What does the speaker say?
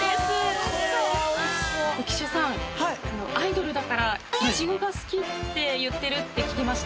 浮所さんアイドルだからイチゴが好きって言ってるって聞きました。